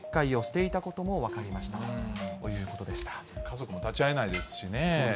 家族も立ち会えないですしね。